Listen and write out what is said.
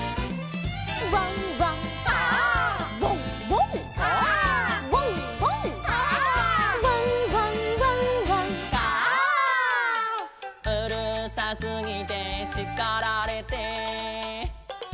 「ワンワン」「カァ」「ワンワン」「カァ」「ワンワン」「カァ」「ワンワンワンワン」「カァ」「うるさすぎてしかられて」